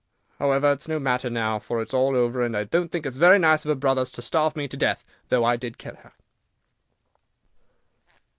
However, it is no matter now, for it is all over, and I don't think it was very nice of her brothers to starve me to death, though I did kill her."